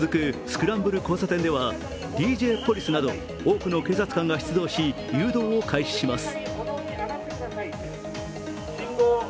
スクランブル交差点ではＤＪポリスなど多くの警察官が出動し誘導を開始します。